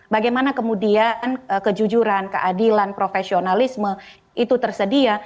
bagaimana kemudian kejujuran keadilan profesionalisme itu tersedia